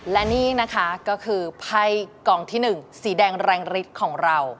และนี่นะคะก็คือไพ่กองที่๑สีแดงแรงฤทธิ์ของเรา